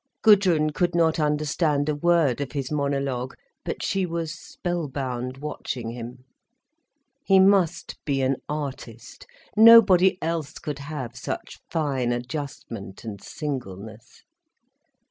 Gudrun could not understand a word of his monologue, but she was spell bound, watching him. He must be an artist, nobody else could have such fine adjustment and singleness.